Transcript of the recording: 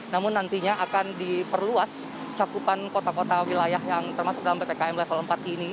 namun nantinya akan diperluas cakupan kota kota wilayah yang termasuk dalam ppkm level empat ini